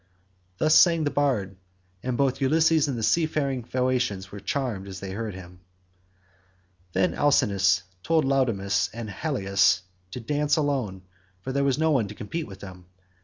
Thus sang the bard, and both Ulysses and the seafaring Phaeacians were charmed as they heard him. Then Alcinous told Laodamas and Halius to dance alone, for there was no one to compete with them.